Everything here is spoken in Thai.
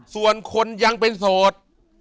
ส่วนคนยังเป็นโสด